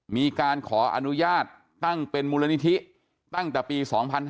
มีการขออนุญาตตั้งเป็นมูลนิธิตั้งแต่ปี๒๕๕๙